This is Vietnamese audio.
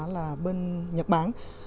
là bên nhật bản